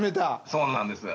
そうなんです。